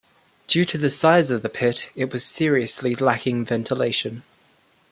Due to the size of the pit, it was seriously lacking ventilation.